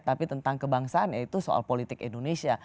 tapi tentang kebangsaan yaitu soal politik indonesia